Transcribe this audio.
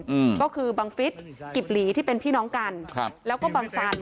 อืมก็คือบังฟิศกิบหลีที่เป็นพี่น้องกันครับแล้วก็บังสัน